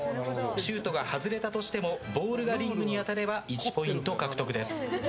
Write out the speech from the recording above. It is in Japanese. シュートが外れたとしてもボールがリングに当たれば１ポイント獲得です。